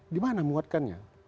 di mana menguatkannya